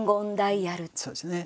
そうですね。